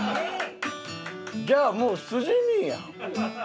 じゃあもう筋兄やん。